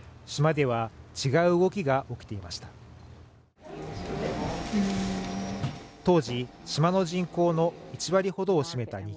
島では違う動きが起きていました